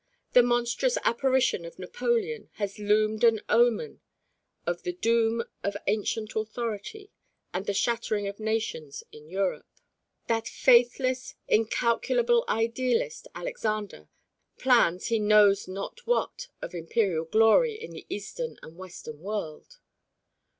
The monstrous apparition of Napoleon has loomed an omen of the doom of ancient authority and the shattering of nations in Europe. That faithless, incalculable idealist Alexander, plans he knows not what of imperial glory in the Eastern and Western world.